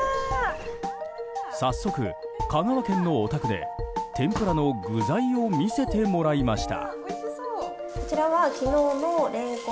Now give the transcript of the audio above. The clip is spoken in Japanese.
早速、香川県のお宅で天ぷらの具材を見せてもらいました。